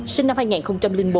sinh năm hai nghìn một